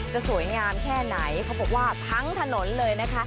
จะสวยงามแค่ไหนเขาบอกว่าทั้งถนนเลยนะคะ